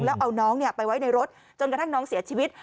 แล้วเอาน้องไปไว้ในรถจนกระทั่งน้องเสียชีวิต